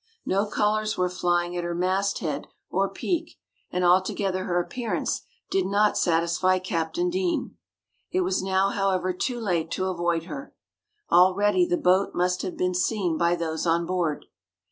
No colours were flying at her mast head or peak, and altogether her appearance did not satisfy Captain Deane. It was now, however, too late to avoid her. Already the boat must have been seen by those on board.